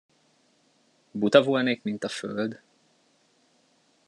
Buta volnék, mint a föld?